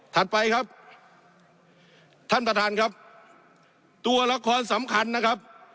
ไปครับท่านประธานครับตัวละครสำคัญนะครับ